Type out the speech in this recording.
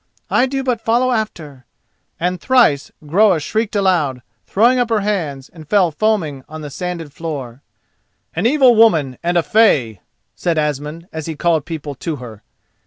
—I do but follow after," and thrice Groa shrieked aloud, throwing up her arms, then fell foaming on the sanded floor. "An evil woman and a fey!" said Asmund as he called people to her.